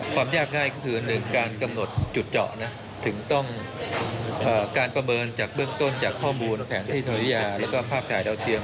ความยากง่ายก็คือ๑การกำหนดจุดเจาะนะถึงต้องการประเมินจากเบื้องต้นจากข้อมูลแผนที่ธริยาแล้วก็ภาพถ่ายดาวเทียม